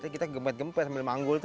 kita gempet gempet sambil manggul tuh